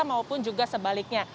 maupun juga sebaliknya